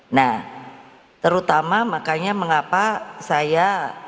nah terutama makanya mengapa saya